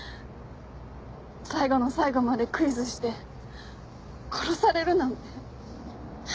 最後の最後までクイズして殺されるなんて。